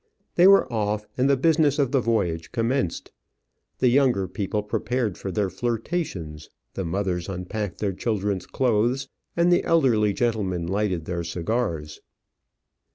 They were off, and the business of the voyage commenced. The younger people prepared for their flirtations, the mothers unpacked their children's clothes, and the elderly gentlemen lighted their cigars.